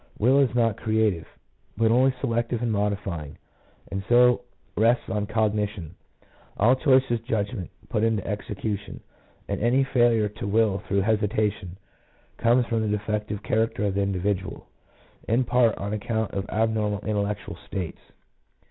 Will is not creative, but only selective and modifying, and so rests on recognition. All choice is judgment put into execution, and any failure to will through hesita tion, comes from the defective character of the indi vidual, in part on account of abnormal intellectual states.